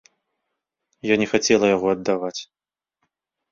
Я не хацела яго аддаваць.